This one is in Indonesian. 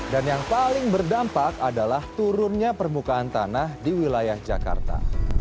dan yang paling berdampak adalah turunnya permukaan tanah di wilayah jakarta